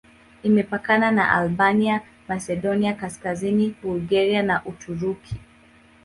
Imepakana na Albania, Masedonia Kaskazini, Bulgaria na Uturuki.